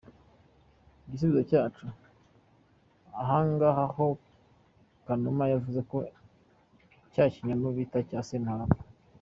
Igisubizo cyacu: Ahangaha ho Kanuma yavuze cya kinyoma bita icya Semuhanuka.